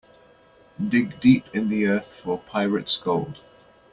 Dig deep in the earth for pirate's gold.